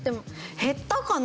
減ったかな？